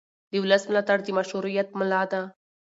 د ولس ملاتړ د مشروعیت ملا ده